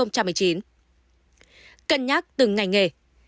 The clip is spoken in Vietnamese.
cân nhắc từng ngành nghề